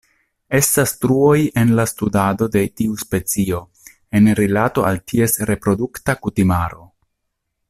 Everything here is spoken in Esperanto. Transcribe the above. Estas truoj en la studado de tiu specio en rilato al ties reprodukta kutimaro.